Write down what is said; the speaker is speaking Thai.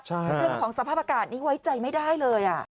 เรื่องของสภาพอากาศนี้ไว้ใจไม่ได้เลย